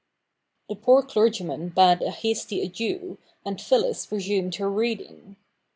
The poor clerg)'man bade a hasty adieu, and Phyllis resumed her reading.